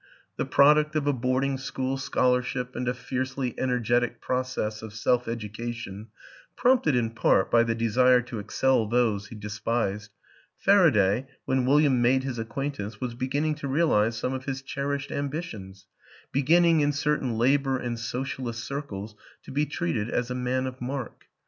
The product of a Board School Scholarship and a fiercely energetic process of self education (prompted in part by the desire to excel those he despised) Faraday, when William made his acquaintance, was begin ning to realize some of his cherished ambitions, beginning, in certain Labor and Socialist circles, to be treated as a man of mark.